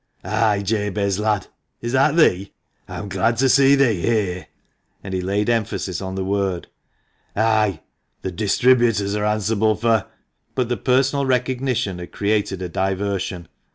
"Ay, Jabez, lad, is that thee? I'm glad to see thee here" — and he laid emphasis on the word — "Ay, the distributors are answerable for " But the personal recognition had created a diversion.